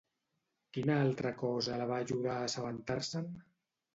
Quina altra cosa la va ajudar a assabentar-se'n?